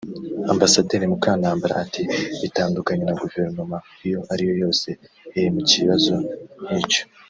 Ambasaderi Mukantabana ati “Bitandukanye na guverinoma iyo ariyo yose iri mu kibazo nk’icyo